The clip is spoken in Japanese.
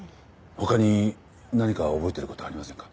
他に何か覚えてることありませんか？